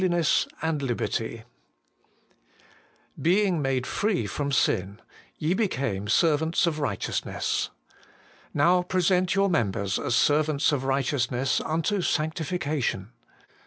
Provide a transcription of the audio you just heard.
fWtness anti 1LtbertL Being made free from sin, ye became servants of righteous ness: now present your members as servants of righteousness unto sanctif cation.